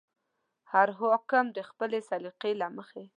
هر حاکم د خپلې سلیقې له مخې.